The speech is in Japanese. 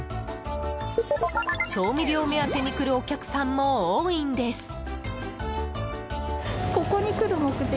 調味料目当てに来るお客さんも多いんです。